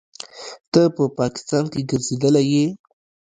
ته په پاکستان کښې ګرځېدلى يې.